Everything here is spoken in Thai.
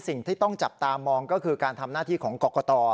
สิ่งที่ต้องจับตามองก็คือการทำหน้าที่ของกรกต